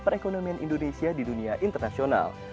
perekonomian indonesia di dunia internasional